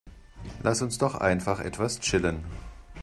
Lass uns doch einfach etwas chillen.